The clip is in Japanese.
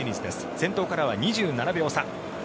先頭からは２７秒差。